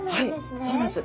はいそうなんです。